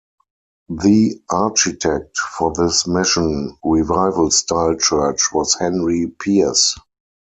The architect for this Mission Revival-style church was Henry Pierce.